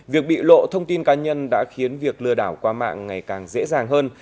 việc bị lộ thông tin cá nhân đã khiến việc lừa đảo qua mạng ngày càng dễ dàng hơn